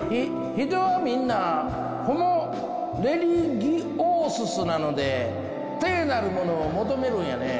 人はみんなホモ・レリギオーススなので聖なるものを求めるんやね。